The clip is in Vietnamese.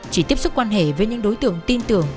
chỉ tiếp sức quan hệ với những đối tượng tin tưởng